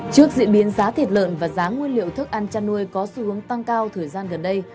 trước diễn biến giá thịt lợn và giá nguyên liệu thức ăn chăn nuôi có xu hướng tăng cao thời gian gần đây